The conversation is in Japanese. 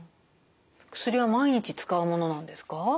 薬は毎日使うものなんですか？